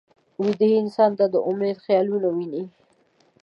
ویده انسان د امید خیالونه ویني